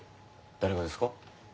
誰がですか？